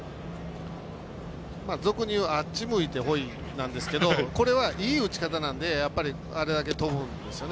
俗に言うあっち向いてホイなんですけどこれは、いい打ち方なのであれだけ飛ぶんですよね。